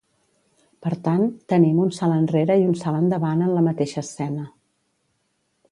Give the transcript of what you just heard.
Per tant, tenim un salt enrere i un salt endavant en la mateixa escena.